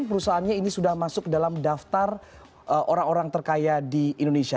perusahaannya ini sudah masuk dalam daftar orang orang terkaya di indonesia